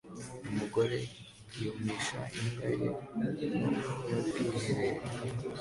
Umugore yumisha imbwa ye nto mu bwiherero